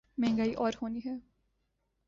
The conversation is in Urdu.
مہنگائی اور ہونی ہے۔